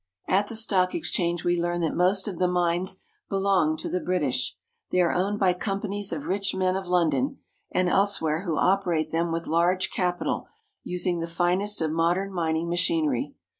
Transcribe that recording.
At the Stock Exchange we learn that most of the mines belong to the British. They are owned by companies of rich men of London and elsewhere who operate them with large capital, using the finest of modern mining machinery.